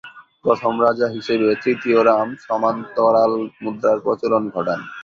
প্রথম রাজা হিসেবে তৃতীয় রাম সমান্তরাল মুদ্রার প্রচলন ঘটান।